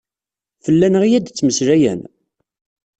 Fell-aneɣ i ad ttmeslayen?